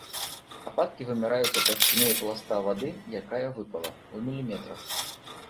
Ападкі вымяраюцца таўшчынёй пласта вады, якая выпала, у міліметрах.